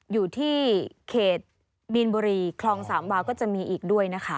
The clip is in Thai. อยู่ที่เขตมีนบุรีคลองสามวาก็จะมีอีกด้วยนะคะ